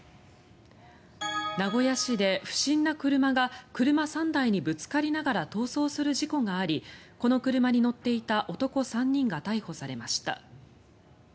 名古屋市で不審な車が車３台にぶつかりながら逃走する事故がありこの車に乗っていた男３人が逮捕されました。